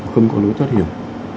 không có lối thoát hiểm